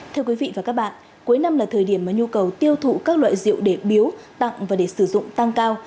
thưa quý vị và các bạn cuối năm là thời điểm mà nhu cầu tiêu thụ các loại rượu để biếu tặng và để sử dụng tăng cao